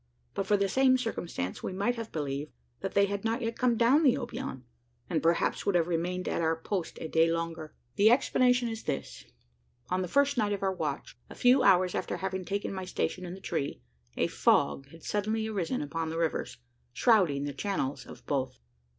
But for the same circumstance, we might have believed, that they had not yet come down the Obion; and perhaps would have remained at our post a day longer. The explanation is this: On the first night of our watch, a few hours after having taken my station in the tree, a fog had suddenly arisen upon the rivers, shrouding the channels of both.